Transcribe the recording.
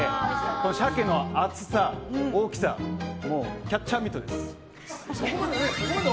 鮭の厚さ、大きさもうキャッチャーミットです。